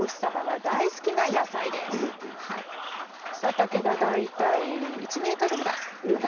草丈が大体１ｍぐらいかな。